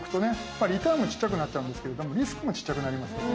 リターンもちっちゃくなっちゃうんですけれどもリスクもちっちゃくなりますよね。